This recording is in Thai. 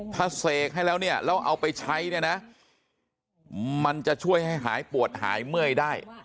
ถ้าเสกให้แล้วเนี่ยแล้วเอาไปใช้เนี่ยนะมันจะช่วยให้หายปวดหายเมื่อยได้